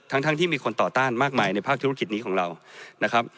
ทั้งที่มีคนต่อต้านมากมายในภาคธุรกิจนี้ของเรานะครับ